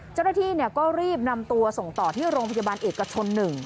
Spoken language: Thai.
เจ้าหน้าที่ก็รีบนำตัวส่งต่อที่โรงพยาบาลเอกชน๑